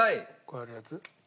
こうやるやつ？